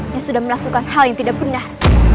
yang sudah melakukan hal yang tidak benar